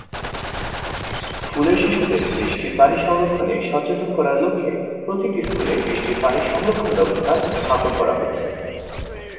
স্কুলের শিশুদের বৃষ্টির পানি সংরক্ষণে সচেতন করার লক্ষ্যে প্রতিটি স্কুলে বৃষ্টির পানি সংরক্ষণ ব্যবস্থা স্থাপন করা হচ্ছে।